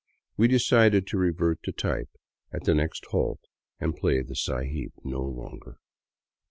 We decided to revert to type at the next halt and play the " sahib '* no longer.